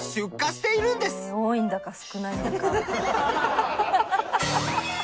多いんだか少ないんだか。